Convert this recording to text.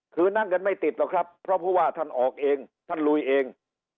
คือนั่งกันไม่ติดหรอกครับเพราะผู้ว่าท่านออกเองท่านลุยเอง